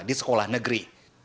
di sekolah negeri